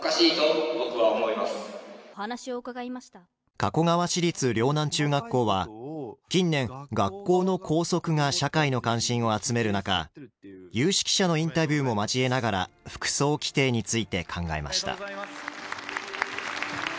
加古川市立陵南中学校は近年学校の校則が社会の関心を集める中有識者のインタビューも交えながら服装規定について考えました。